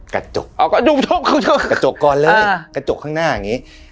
กระจกอ๋อกระดูกกระจกก่อนเลยกระจกข้างหน้าอย่างนี้